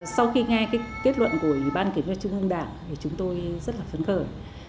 sau khi nghe cái kết luận của ủy ban kiểm tra trung ương đảng thì chúng tôi rất là phấn khởi